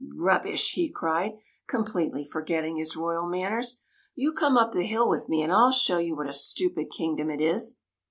" Rubbish !" he cried, completely for getting his royal manners. "You come up the hill with me, and I '11 show you what a stupid kingdom it is."